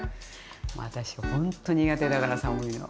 私ほんと苦手だから寒いの。